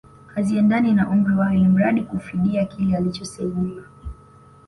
Haziendani na umri wao ilmradi kufidia kile walichosaidiwa